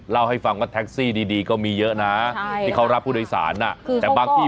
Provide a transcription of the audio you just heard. เล่าให้ฟังว่าแท็กซี่ดีก็มีเยอะนะที่เขารับผู้โดยสารแต่บางที่